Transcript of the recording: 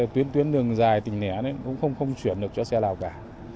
tuyến tuyến đường dài tỉnh nẻ cũng không chuyển được cho xe nào cả